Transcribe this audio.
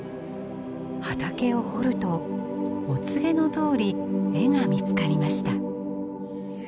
畑を掘るとお告げのとおり絵が見つかりました。